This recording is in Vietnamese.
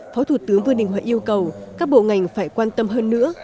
phó thủ tướng vương đình huệ yêu cầu các bộ ngành phải quan tâm hơn nữa